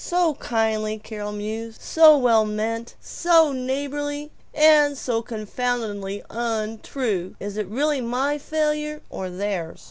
"So kindly," Carol mused, "so well meant, so neighborly and so confoundedly untrue. Is it really my failure, or theirs?"